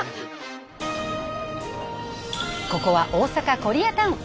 ここは大阪コリアタウン。